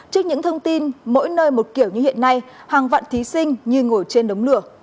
trước những thông tin mỗi nơi một kiểu như hiện nay hàng vạn thí sinh như ngồi trên đống lửa